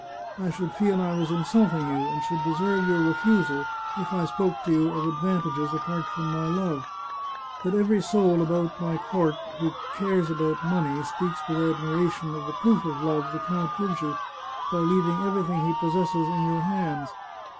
I should feel I was insulting you, and should deserve your refusal, if I spoke to you of advantages apart from my love. But every soul about my court who cares about money speaks with admiration of the proof of love the count gives you, by leaving everything he possesses in your hands.